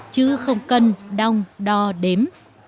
chứ không cần đong đo đếm